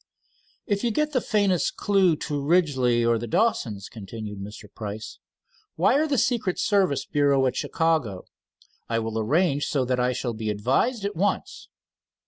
"If you get the faintest clew to Ridgely or the Dawsons," continued Mr. Price, "wire the secret service bureau at Chicago. I will arrange so that I shall be advised at once."